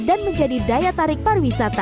dan menjadi daya tarik pariwisata